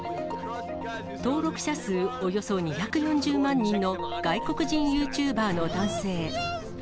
登録者数およそ２４０万人の外国人ユーチューバーの男性。